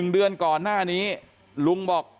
๑เดือนก่อนหน้านี้ลุงบอก